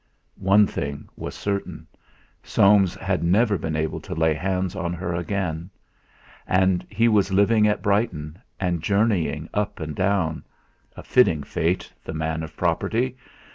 One thing was certain Soames had never been able to lay hands on her again. And he was living at Brighton, and journeying up and down a fitting fate, the man of property!